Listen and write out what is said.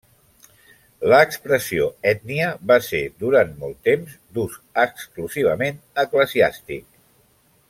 L'expressió ètnia va ser, durant molt temps, d'ús exclusivament eclesiàstic.